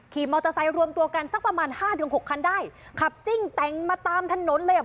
ขี่มอเตอร์ไซค์รวมตัวกันสักประมาณห้าถึงหกคันได้ขับซิ่งแต่งมาตามถนนเลยอ่ะ